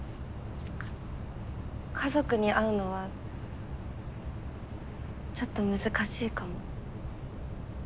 家族に会うのはちょっと難しいかも。